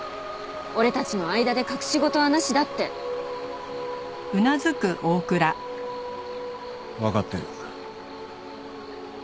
「俺たちの間で隠し事はなしだ」って。わかってる。